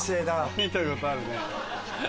見たことあるね。